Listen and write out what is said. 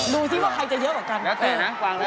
ดูสิว่าใครจะเยอะกว่ากัน